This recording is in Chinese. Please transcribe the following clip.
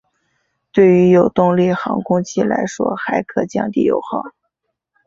对于有动力航空器来说还可降低油耗。